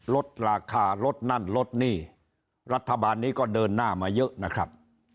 ลดราคาลดนั่นลดหนี้รัฐบาลนี้ก็เดินหน้ามาเยอะนะครับ